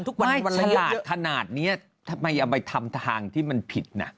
ทุกวันทุกวันขนาดเนี้ยทำไมเอาไปทำทางที่มันผิดน่ะ